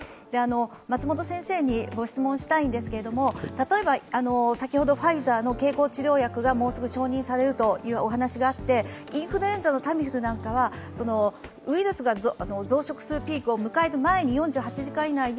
松本先生にご質問したいんですが、例えばファイザーの経口治療薬がもうすぐ承認されるというお話があって、インフルエンザのタミフルなんかはウイルスが増殖するピークを迎える前、４８時間以内に